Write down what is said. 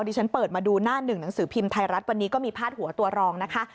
ที่ฉันเปิดมาดูหน้าหนึ่งหนังสือพิมพ์ไทยรัฐวันนี้ก็มีพาดหัวตัวรองนะคะ